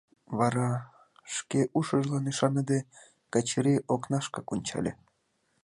Вара... — шке ушыжлан ӱшаныде, Качыри окнашкак ончале.